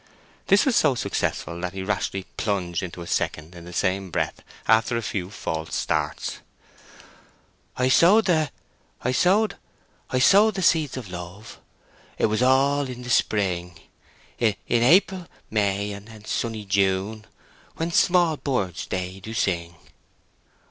This was so successful that he rashly plunged into a second in the same breath, after a few false starts:— I sow′ ed th′ e..... I sow′ ed..... I sow′ ed th′ e seeds′ of′ love′, I it was′ all′ i′ in the′ e spring′, I in A′ pril′, Ma′ ay, a′ nd sun′ ny′ June′, When sma′ all bi′ irds they′ do′ sing.